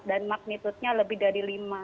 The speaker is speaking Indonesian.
dan magnitudenya lebih dari lima